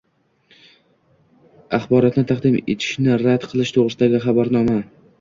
xborotni taqdim etishni rad qilish to‘g‘risidagi xabarnoma